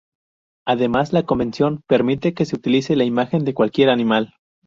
Además la convención permite que se utilice la imagen de cualquier animal.